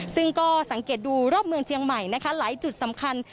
ซึ่งก็สังเกตดูรอบเมืองเชียงใหม่นะคะหลายจุดสำคัญ